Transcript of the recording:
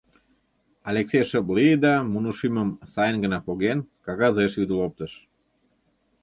Алексей шып лие да муно шӱмым, сайын гына поген, кагазеш вӱдыл оптыш.